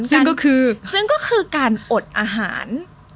ซึ่งก็คือการอดอาหาร